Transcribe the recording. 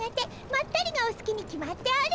まったりがおすきに決まっておる！